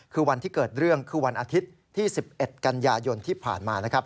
คือวันที่เกิดเรื่องคือวันอาทิตย์ที่๑๑กันยายนที่ผ่านมานะครับ